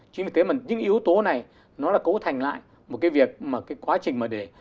chính vì thế mà những yếu tố này nó là cấu thành lại một cái việc mà cái quá trình mà để